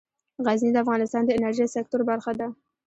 غزني د افغانستان د انرژۍ سکتور برخه ده.